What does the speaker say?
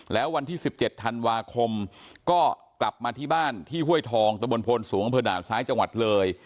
แล้ววันที่๑๗ธันวาคมก็กลับมาที่บ้านที่ห้วยทองตะบนโพนสูงอำเภอด่านซ้ายจังหวัดเลย